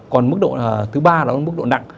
còn mức độ thứ ba là mức độ nặng